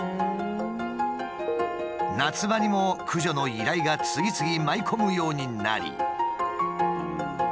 夏場にも駆除の依頼が次々舞い込むようになり。